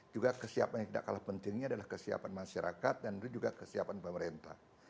juga kesiapan yang tidak kalah pentingnya adalah kesiapan masyarakat dan juga kesiapan pemerintah